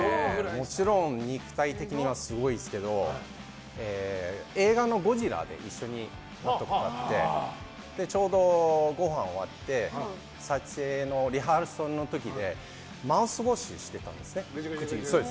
もちろん肉体的にはすごいですけど映画の「ゴジラ」で一緒になったことがあってちょうどごはんが終わって撮影、リハーサルの時でマウスウォッシュしてたんですね。